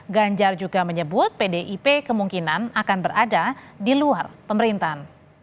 ganjar juga menyebut pdip kemungkinan akan berada di luar pemerintahan